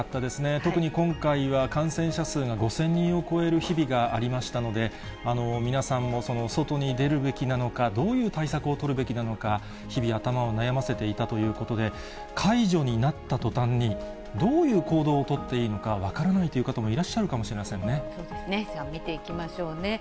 特に今回は感染者数が５０００人を超える日々がありましたので、皆さんも外に出るべきなのか、どういう対策を取るべきなのか、日々、頭を悩ませていたということで、解除になったとたんに、どういう行動を取っていいのか分からないという方もいらっしゃるそうですね、見ていきましょうね。